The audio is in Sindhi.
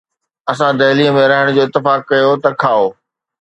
اسان دهليءَ ۾ رهڻ جو اتفاق ڪيو، ته کائو؟